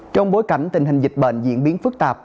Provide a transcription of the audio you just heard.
trong bối cảnh tình hình dịch bệnh diễn biến phức tạp